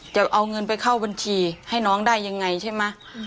จะเอาเงินไปเข้าบัญชีให้น้องได้ยังไงใช่ไหม